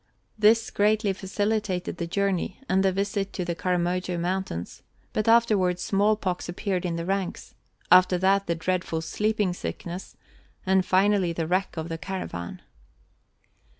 This greatly facilitated the journey and the visit to the Karamojo Mountains, but afterwards smallpox appeared in the ranks, after that the dreadful sleeping sickness, and finally the wreck of the caravan.